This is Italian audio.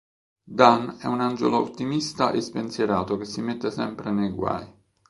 Dan è un angelo ottimista e spensierato che si mette sempre nei guai.